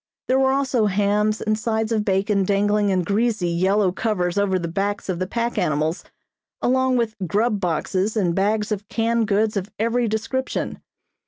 There were also hams and sides of bacon dangling in greasy yellow covers over the backs of the pack animals, along with "grub" boxes and bags of canned goods of every description.